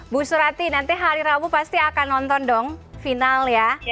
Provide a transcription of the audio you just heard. bu surati nanti hari rabu pasti akan nonton dong final ya